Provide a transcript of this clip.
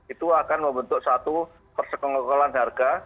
itu akan membentuk satu persekongkolan harga